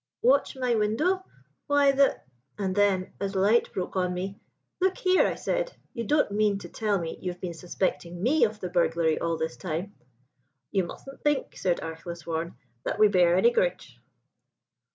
'' "'Watch my window? Why the ' And then, as light broke on me, 'Look here,' I said, 'you don't mean to tell me you've been suspecting me of the burglary all this time!' "'You musn' think,' said Archelaus Warne, 'that we bear any gridge.'"